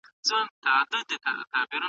څېړونکی د خپلي پوهي له مخې شننه کوي.